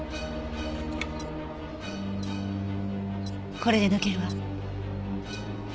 これで抜けるわ。